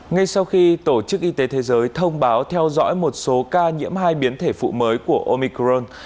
ngay sau khi tổ chức y tế thế giới thông báo theo dõi một số ca nhiễm hai biến thể phụ mới của omicron